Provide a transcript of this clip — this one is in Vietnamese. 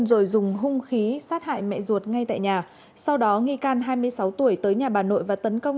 rồi dùng hung khí sát hại mẹ ruột ngay tại nhà sau đó nghi can hai mươi sáu tuổi tới nhà bà nội và tấn công